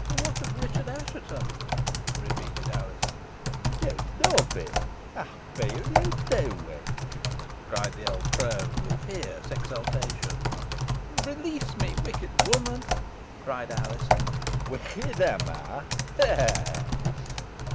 "What of Richard Assheton?" repeated Alizon. "You love him, I feel you do, wench," cried the old crone with fierce exultation. "Release me, wicked woman," cried Alizon. "Wicked, am I? ha! ha!"